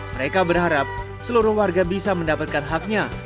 mereka berharap seluruh warga bisa mendapatkan haknya